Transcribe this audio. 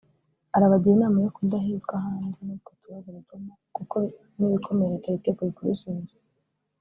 arabagira inama yo kudahezwa hanze n’utwo tubazo duto kuko n’ibikomeye leta yiteguye kubisubiza